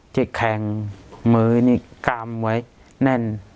เจ๊แข่งมือนี่กล้ามไว้แน่น